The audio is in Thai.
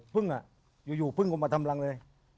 พึ่งอยู่พึ่งก็มาทำรังเลย